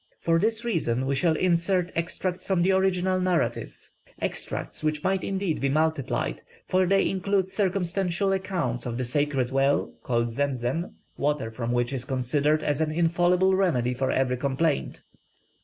For this reason we shall insert extracts from the original narrative; extracts which might indeed be multiplied, for they include circumstantial accounts of the sacred well, called Zemzem, water from which is considered as an infallible remedy for every complaint.